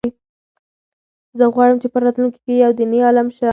زه غواړم چې په راتلونکي کې یو دیني عالم شم.